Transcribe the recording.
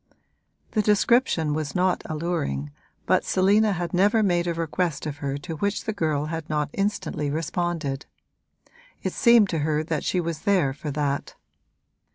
The description was not alluring, but Selina had never made a request of her to which the girl had not instantly responded: it seemed to her she was there for that.